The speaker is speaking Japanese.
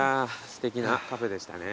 すてきなカフェでしたね。